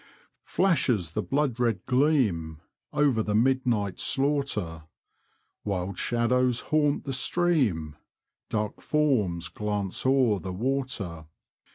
Flashes the blood red gleam Over the midnight slaughter ; Wild shadows haunt the stream ; Dark forms glance o'er the water.